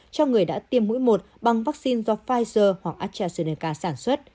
cho người đã tiêm mũi một bằng vaccine do pfizer hoặc astrazeneca